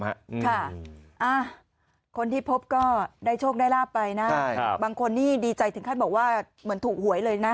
ค่ะคนที่พบก็ได้โชคได้ลาบไปนะบางคนนี่ดีใจถึงขั้นบอกว่าเหมือนถูกหวยเลยนะ